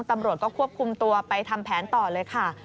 ตำรวจก็ควบคุมตัวไปทำแผนต่อเลยค่ะ